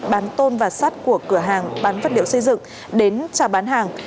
bán tôn và sát của cửa hàng bán vật liệu xây dựng đến trả bán hàng